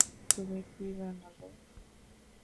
তুমি কি বানালে?